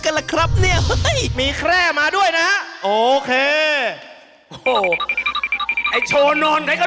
กันแหละครับเนี้ยเฮ้ยมีแคร่มาด้วยนะโอเคโอ้ไอ้โชว์นอนใครก็